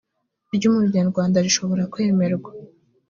ry umunyarwanda rishobora kwemerwa